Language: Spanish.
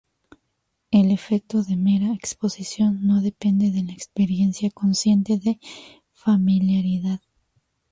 El efecto de mera exposición no depende de la experiencia consciente de familiaridad.